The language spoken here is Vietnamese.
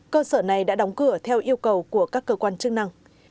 cơ sở này đã đóng cửa theo yêu cầu của các cơ quan chức năng